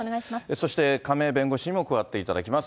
そして亀井弁護士にも加わっていただきます。